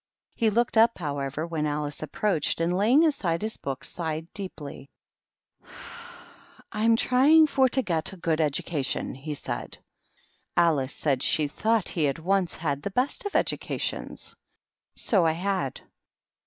He looked up, however, when Alice approached, and, laying aside his book, sighed 212 THE MOCK TURTLE. deeply. "I'm trying for to get a good educa tion," he said. Alice said she thought that he had once had the best of educations. " So I had